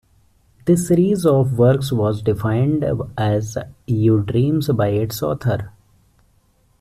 This series of works was defined as Udreams by its author.